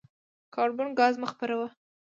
کاربن ګاز مه خپروه.